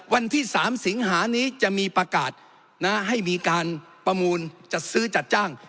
วันที่๓สิงหานี้จะมีประกาศให้มีการประมูลจัดซื้อจัดจ้าง